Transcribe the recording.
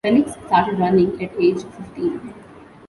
Felix started running at age fifteen.